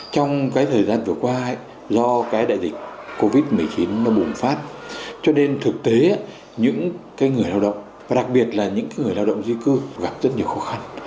trong thời gian vừa qua do đại dịch covid một mươi chín bùng phát cho nên thực tế những người lao động đặc biệt là những người lao động di cư gặp rất nhiều khó khăn